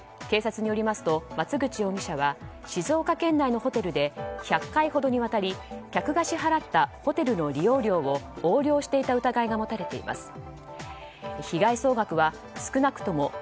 警察によりますと、松口容疑者は静岡県内のホテルで１００回ほどにわたり客が支払ったホテルの利用料を横領していた疑いが持たれています。